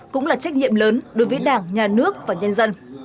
cũng là trách nhiệm lớn đối với đảng nhà nước và nhân dân